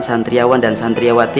santriawan dan santriawati